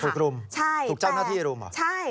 ถูกรุมถูกเจ้าหน้าที่รุมเหรอใช่